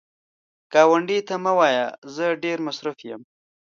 ګاونډي ته مه وایه “زه ډېر مصروف یم”